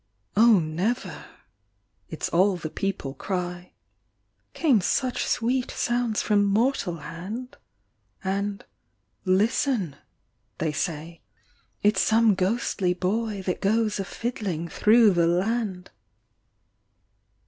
"Oh never," It s all the people cry, "Came such sweet sounds from mortal hand"; 105 And, "Listen," they say, "it s some ghostly boy That goes a fiddling through the land.